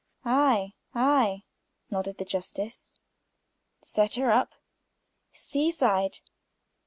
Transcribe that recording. "Ay, ay," nodded the justice, "set her up. Seaside?